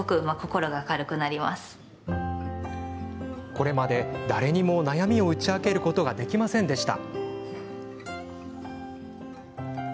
これまで誰にも悩みを打ち明けることができませんでした。